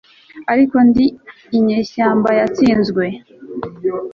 Ariko ndi inyeshyamba yatsinzwe